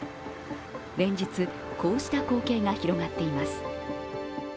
連日、こうした光景が広がっています。